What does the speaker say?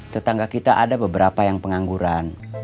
tetangga kita ada beberapa yang pengangguran